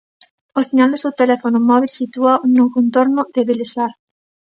O sinal do seu teléfono móbil sitúao no contorno de Belesar.